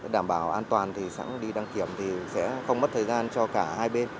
đảm bảo an toàn thì sẵn đi đăng kiểm thì sẽ không mất thời gian cho cả hai bên